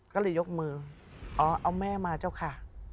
ก็เลยยกมืออ๋อเอาแม่มาเจ้าค่ะ